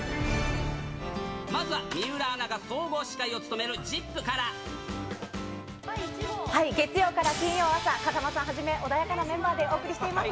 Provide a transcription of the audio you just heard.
まずは水卜アナが総合司会を月曜から金曜朝、風間さんはじめ、穏やかなメンバーでお送りしています。